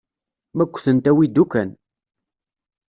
Ma ggtent awi-d ukan.